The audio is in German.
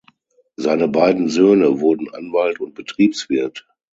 Seine beiden Söhne wurden Anwalt und Betriebswirt.